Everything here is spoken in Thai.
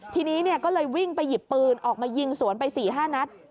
ทีนี้ก็เลยวิ่งไปหยิบปืนออกมายิงสวนไป๔๕นัด